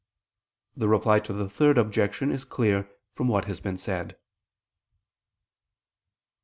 The Reply to the Third Objection is clear from what has been said.